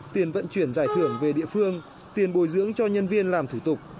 tiền vận chuyển giải thưởng về địa phương tiền bồi dưỡng cho nhân viên làm thủ tục